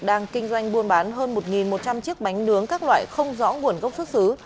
đang kinh doanh buôn bán hơn một một trăm linh chiếc bánh nướng các loại không rõ nguồn gốc xuất xứ